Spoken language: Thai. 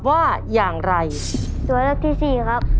บอกให้พี่ปิ๊ดสู้ครับ